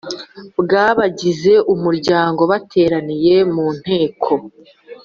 bw abagize Umuryango bateraniye mu Nteko